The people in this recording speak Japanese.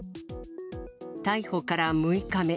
逮捕から６日目。